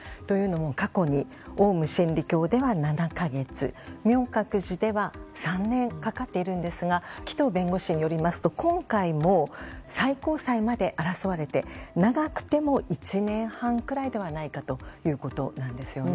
過去にオウム真理教では７か月明覚寺では３年かかっているんですが紀藤弁護士によりますと今回も最高裁まで争われて長くても１年半くらいではないかということなんです。